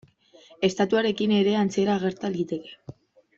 Estatuarekin ere antzera gerta liteke.